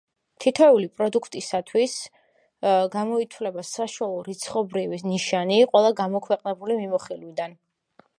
თითოეული პროდუქტისთვის გამოითვლება საშუალო რიცხობრივი ნიშანი ყველა გამოქვეყნებული მიმოხილვიდან.